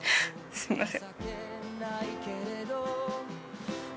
すいません。